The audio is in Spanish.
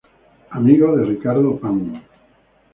Amigo de Ricardo Pan.